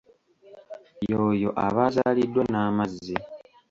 Ye oyo aba azaaliddwa n'amazzi.